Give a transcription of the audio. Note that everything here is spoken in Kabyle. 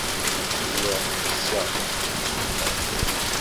Lliɣ ttesseɣ.